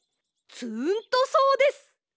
つーんとそうです。